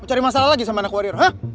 mau cari masalah lagi sama anak warrior